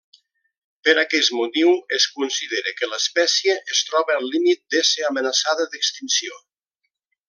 Per aquests motius es considera que l'espècie es troba al límit d'ésser amenaçada d'extinció.